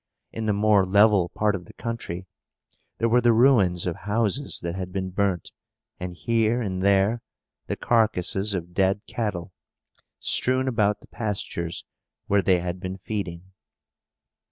In the more level part of the country, there were the ruins of houses that had been burnt, and, here and there, the carcasses of dead cattle, strewn about the pastures where they had been feeding.